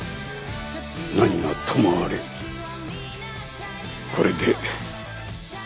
何はともあれこれで。